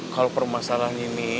kalau permasalahan ini